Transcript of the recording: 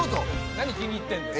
何気に入ってんだよ。